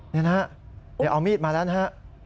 นี่นะเดี๋ยวเอามีดมาแล้วนะ